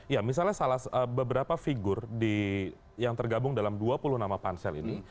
ya misalnya beberapa figur yang tergabung dalam dua puluh nama pansel ini